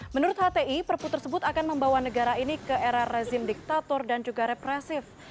menurut hti perpu tersebut akan membawa negara ini ke era rezim diktator dan juga represif